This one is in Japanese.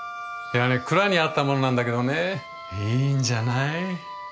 いやね蔵にあったものなんだけどねいいんじゃない。